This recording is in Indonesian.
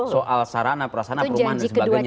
soal sarana perasana perumahan dan sebagainya